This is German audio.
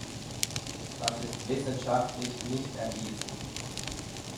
Das ist wissenschaftlich nicht erwiesen.